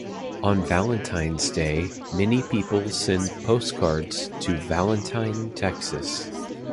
On Valentine's Day many people send postcards to Valentine, Texas.